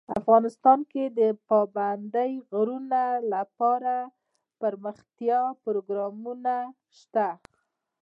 افغانستان کې د پابندی غرونه لپاره دپرمختیا پروګرامونه شته.